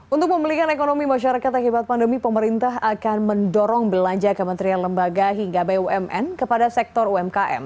untuk memulihkan ekonomi masyarakat akibat pandemi pemerintah akan mendorong belanja kementerian lembaga hingga bumn kepada sektor umkm